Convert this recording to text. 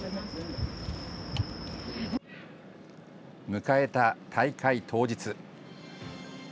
迎えた大会当日。